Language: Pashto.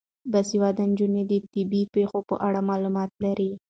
باسواده نجونې د طبیعي پیښو په اړه معلومات لري.